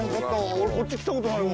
俺こっち来た事ないわ。